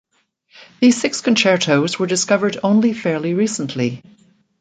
These six concertos were discovered only fairly recently.